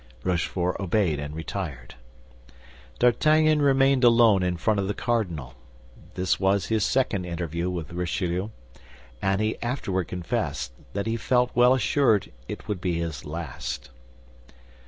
Rochefort obeyed and retired. D'Artagnan remained alone in front of the cardinal; this was his second interview with Richelieu, and he afterward confessed that he felt well assured it would be his last.